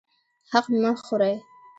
حق مه خورئ